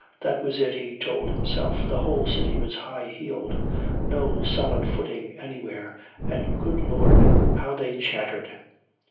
That was it, he told himself, the whole city was high heeled! No solid footing anywhere! And, good Lord, how they chattered!